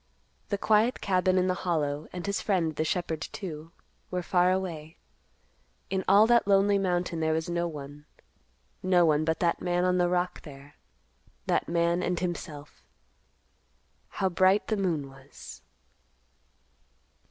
The quiet cabin in the Hollow, and his friend, the shepherd, too, were far away. In all that lonely mountain there was no one—no one but that man on the rock there; that man, and himself. How bright the moon was!